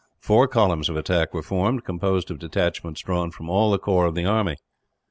Four columns of attack were formed, composed of detachments drawn from all the corps of the army.